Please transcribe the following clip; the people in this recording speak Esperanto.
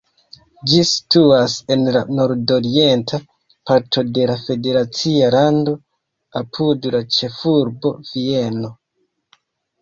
Ĝi situas en la nordorienta parto de la federacia lando, apud la ĉefurbo Vieno.